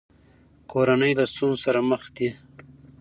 کورنۍ له ستونزو سره مخ دي.